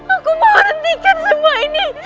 aku mau hentikan semua ini